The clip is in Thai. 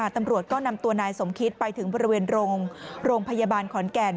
ตำรวจก็นำตัวนายสมคิดไปถึงบริเวณโรงพยาบาลขอนแก่น